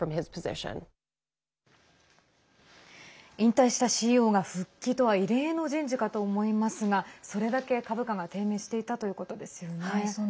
引退したＣＥＯが復帰とは異例の人事かと思いますがそれだけ株価が低迷していたということですよね。